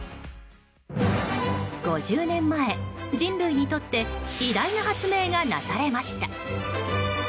５０年前、人類にとって偉大な発明がなされました。